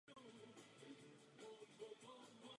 Zpravodaj chce předat pravomoci nad policií Bruselu.